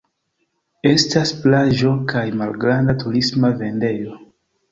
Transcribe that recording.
Estas plaĝo kaj malgranda turisma vendejo.